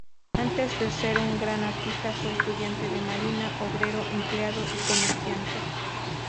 Antes de ser un gran artista fue estudiante de marina, obrero, empleado y comerciante.